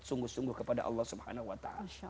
sungguh sungguh kepada allah swt